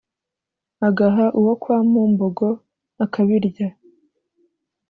agaha uwó kwa múmbógo akabirya